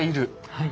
はい。